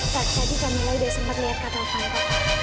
tak tadi kamila udah sempat lihat kata taufan pak